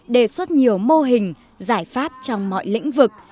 đề xuất nhiều mô hình giải pháp trong mọi lĩnh vực